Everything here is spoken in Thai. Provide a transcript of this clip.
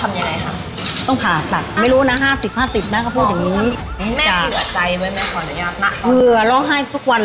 แล้วก็นึกถึงเองนี่ก็ขายของไปใช่ไหม